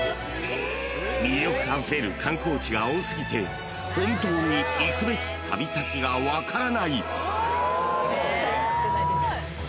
［魅力あふれる観光地が多すぎて本当に行くべき旅先が分からない］